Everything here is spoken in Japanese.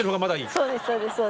そうですそうです。